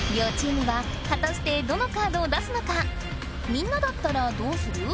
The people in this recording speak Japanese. みんなだったらどうする？